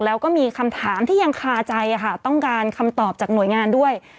แล้วก็มีคำถามที่ยังคาใจค่ะต้องการคำตอบจากหน่วยงานด้วย